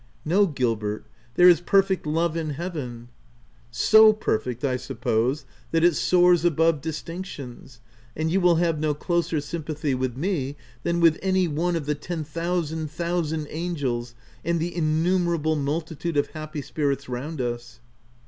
''" No Gilbert, there is perfect love in hea OF WILDFELL HALL. 151 " So perfect, I suppose, that it soars above distinctions, and you will have no closer sym pathy with me than with any one of the ten thousand thousand angels and the innumerable multitude of happy spirits round us."